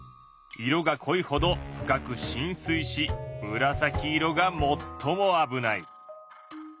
色がこいほど深くしん水しむらさき色が最も危ない。